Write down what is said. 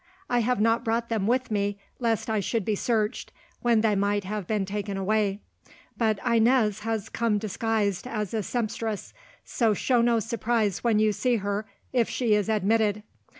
I have not brought them with me lest I should be searched, when they might have been taken away; but Inez has come disguised as a sempstress, so show no surprise when you see her, if she is admitted.